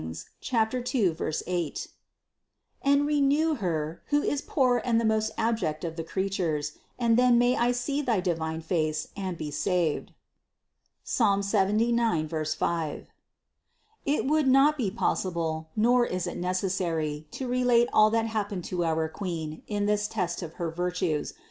2, 8) and renew her, who is poor and the most abject of the creatures, and then may I see thy divine face and be saved." (Psalm 79, 5). 708. It would not be possible, nor is it necessary, to relate all that happened to our Queen in this test of her virtues.